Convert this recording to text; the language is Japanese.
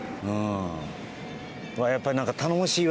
やっぱり頼もしいわ。